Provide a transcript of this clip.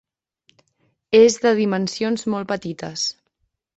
És de dimensions molt petites.